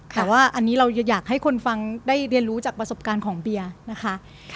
แต่ว่าอันนี้เราอยากให้คนฟังได้เรียนรู้จากประสบการณ์ของเบียร์นะคะ